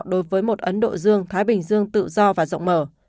đối với một ấn độ dương thái bình dương tự do và rộng mở